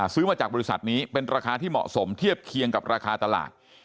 ซื้อมาจากบริษัทนี้เป็นราคาที่เหมาะสมเทียบเคียงกับราคาตลาด